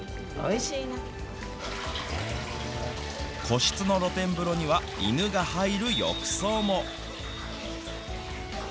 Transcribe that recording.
個室の露天風呂には、犬が入る浴槽も。